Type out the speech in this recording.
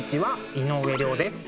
井上涼です。